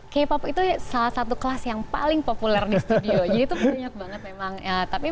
k pop itu salah satu kelas yang paling populer di studio